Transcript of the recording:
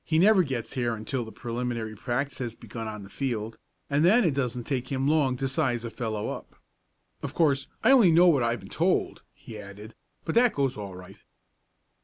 He never gets here until the preliminary practice has begun on the field, and then it doesn't take him long to size a fellow up. Of course I only know what I've been told," he added, "but that goes all right."